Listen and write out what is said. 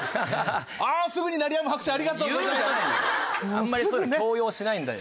あんまりそういうのは強要はしないんだよ。